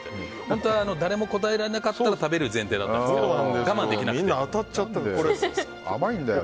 本当は誰も当らなかったら食べる前提だったんですけど我慢できなくて。